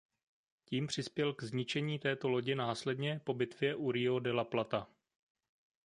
Tím přispěl k zničení této lodi následně po bitvě u Río de la Plata.